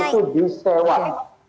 pertama itu disewa